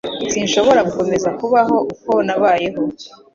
Sinshobora gukomeza kubaho uko nabayeho.